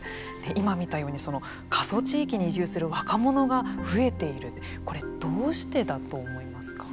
今見たようにその過疎地域に移住する若者が増えているってこれ、どうしてだと思いますか。